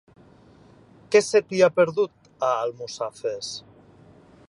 Què se t'hi ha perdut, a Almussafes?